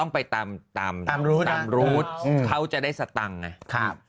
ต้องไปตามตามตามตามครับเขาจะได้สตังค์ไงครับ